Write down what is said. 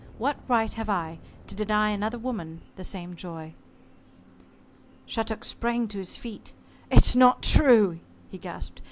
What right have I to deny another woman the same joy?" Shattuck sprang to his feet. "It's not true!" he gasped.